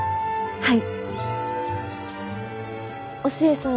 はい。